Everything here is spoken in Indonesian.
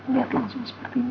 lihat langsung sepertinya